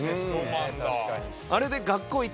確かに。